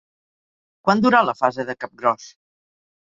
Quan durà la fase de capgròs?